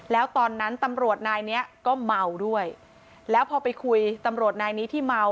แล้วตอนนั้นตำรวจนายเนี้ยก็เมาด้วยแล้วพอไปคุยตำรวจนายนี้ที่เมา